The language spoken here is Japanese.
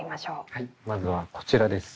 はいまずはこちらです。